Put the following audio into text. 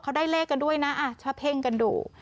เขาได้เลขกันด้วยนะชอบเพ่งกันดู